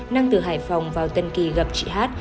năng từ hải phòng vào tân kỳ gặp chị hát